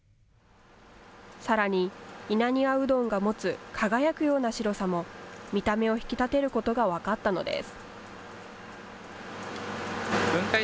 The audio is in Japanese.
さらに、稲庭うどんが持つ輝くような白さも見た目を引き立てることが分かったのです。